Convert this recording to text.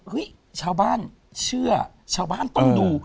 ชาวบ้านเชื่อชาวบ้านต้องดู